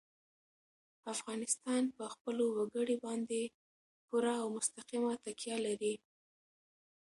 افغانستان په خپلو وګړي باندې پوره او مستقیمه تکیه لري.